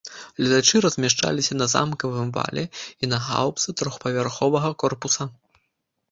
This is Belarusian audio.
Гледачы размяшчаліся на замкавым вале і на гаўбцы трохпавярховага корпуса.